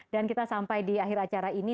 dan kita sampai di akhir acara ini